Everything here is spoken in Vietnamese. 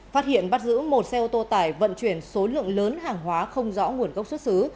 phát hiện bắt giữ một xe ô tô tải vận chuyển số lượng lớn hàng hóa không rõ nguồn gốc xuất xứ